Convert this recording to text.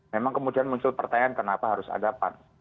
memang kemudian muncul pertanyaan kenapa harus ada pan